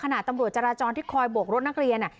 ตำรวจจราจรที่คอยโบกรถนักเรียน